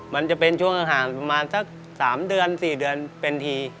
มันจะเป็นช่วงอาหารประมาณสัก๓๔เดือนเป็นถี่